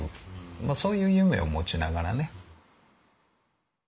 そういう夢を持ちながらね。